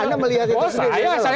anda melihat itu sendiri